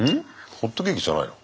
ホットケーキじゃないの？